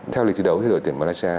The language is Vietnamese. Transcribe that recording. theo lịch thi đấu thì đội tuyển malaysia